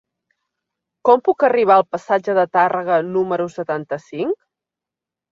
Com puc arribar al passatge de Tàrrega número setanta-cinc?